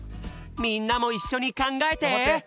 みんなもいっしょにかんがえて！